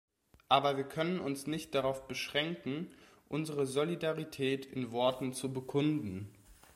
Aber wir können uns nicht darauf beschränken, unsere Solidarität in Worten zu bekunden.